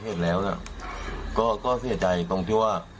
เห็นแล้วก็เสียใจตรงที่ว่า